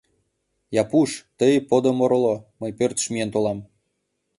— Япуш, тый подым ороло, мый пӧртыш миен толам.